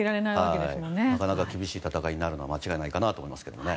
なかなか厳しい戦いになるのは間違いないと思います。